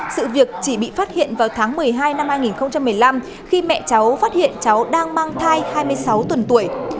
sự việc chỉ bị phát hiện vào tháng một mươi hai năm hai nghìn một mươi năm khi mẹ cháu phát hiện cháu đang mang thai hai mươi sáu tuần tuổi